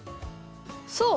そう。